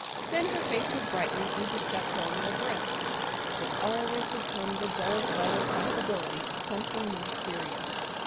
Then her face would brighten and her step grow more brisk. But always would come the dull thud of possibility of something more serious.